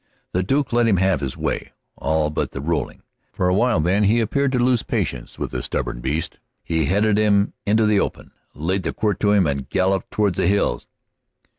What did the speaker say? The Duke let him have it his way, all but the rolling, for a while; then he appeared to lose patience with the stubborn beast. He headed him into the open, laid the quirt to him, and galloped toward the hills.